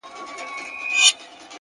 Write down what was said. خدايه سندرو کي مي ژوند ونغاړه!!